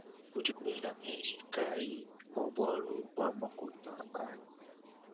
Udi wela menji kayi bua bualu bua makuta anyi.